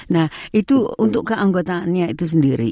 nah itu untuk keanggotaannya itu sendiri